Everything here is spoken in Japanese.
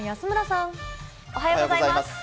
おはようございます。